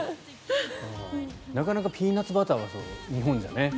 なかなかピーナツバターは日本じゃね。